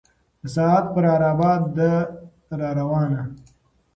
د ساعت پر عرابه ده را روانه